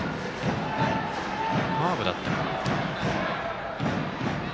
カーブだったか。